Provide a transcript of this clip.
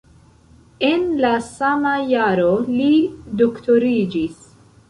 En la sama jaro li doktoriĝis.